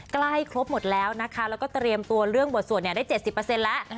ใกล้ครบหมดแล้วนะคะแล้วก็เตรียมตัวเรื่องบทสวดได้๗๐แล้ว